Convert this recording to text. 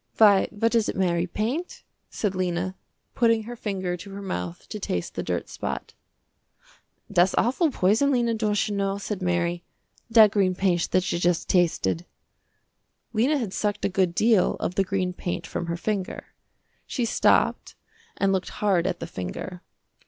"Why, what is it, Mary, paint?" said Lena, putting her finger to her mouth to taste the dirt spot. "That's awful poison Lena, don't you know?" said Mary, "that green paint that you just tasted." Lena had sucked a good deal of the green paint from her finger. She stopped and looked hard at the finger.